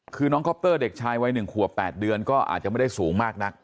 คือน้องคอปเตอร์เด็กชายวัย๑ขวบ๘เดือนก็อาจจะไม่ได้สูงมากนัก